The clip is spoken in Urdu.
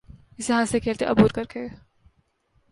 جسے ہنستے کھیلتے عبور کر کے